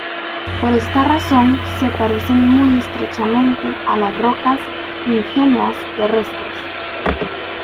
Por esta razón se parecen muy estrechamente a las rocas ígneas terrestres.